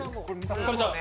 ひかるちゃん。